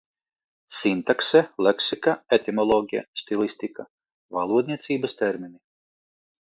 Sintakse, leksika, etimoloģija, stilistika - valodniecības termini.